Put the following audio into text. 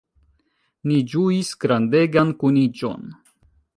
Ni ĝuis grandegan kuniĝon.